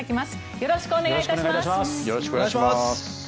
よろしくお願いします。